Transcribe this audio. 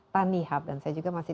tanihub dan saya juga masih